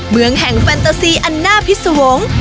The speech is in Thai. เมืองแห่งแฟนเตอร์ซีอันน่าพิษวงศ์